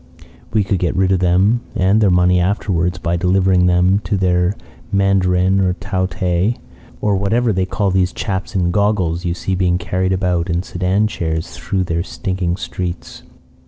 We could get rid of them and their money afterwards by delivering them to their Mandarin or Taotai, or whatever they call these chaps in goggles you see being carried about in sedan chairs through their stinking streets.